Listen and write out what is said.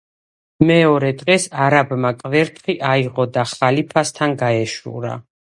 მეორეს დღეს არაბმა კვერთხი აიღო და ხალიფასთან გაეშურა.